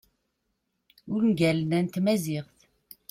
ungalen-a n tmaziɣt